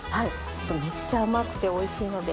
これめっちゃ甘くておいしいので。